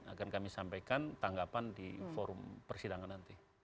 akan kami sampaikan tanggapan di forum persidangan nanti